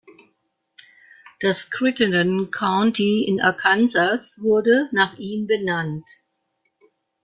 Das Crittenden County in Arkansas wurde nach ihm benannt.